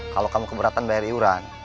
kalau kamu keberatan bayar iuran